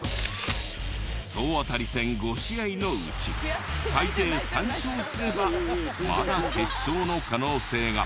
総当たり戦５試合のうち最低３勝すればまだ決勝の可能性が。